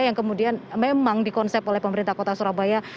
yang kemudian memang dikonsep oleh pemerintah kota surabaya